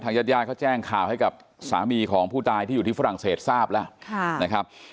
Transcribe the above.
ญาติญาติเขาแจ้งข่าวให้กับสามีของผู้ตายที่อยู่ที่ฝรั่งเศสทราบแล้วนะครับ